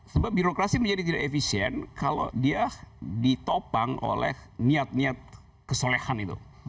sebab birokrasi menjadi tidak efisien kalau dia ditopang oleh niat niat kesolehan itu